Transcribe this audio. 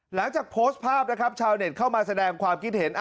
หลังจากโพสต์ภาพนะครับชาวเน็ตเข้ามาแสดงความคิดเห็น